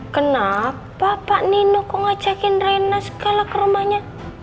kenapa pak nino kok ngajakin rina segala ke rumahnya